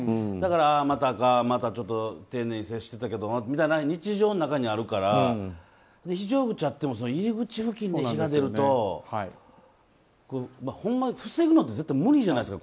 また丁寧に接していたけどみたいな日常の中にあるから非常口があっても入り口付近で火が出るとほんまに防ぐのは無理やないですか。